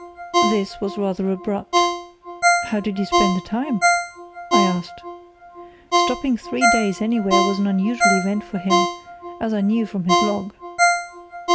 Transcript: This was rather abrupt. "How did you spend the time?" I asked. Stopping three days anywhere was an unusual event for him, as I knew from his log.